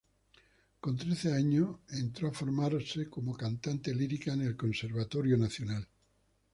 Con trece años entró a formarse como cantante lírica en el Conservatorio Nacional.